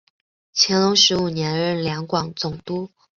乾隆十五年任两广总督。